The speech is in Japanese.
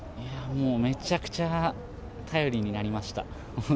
めちゃくちゃ頼りになりました。